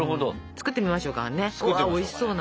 作ってみましょうかはい。